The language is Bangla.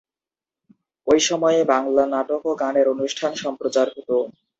ওই সময়ে বাংলা নাটক ও গানের অনুষ্ঠান সম্প্রচার হতো।